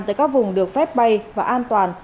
tới các vùng được phép bay và an toàn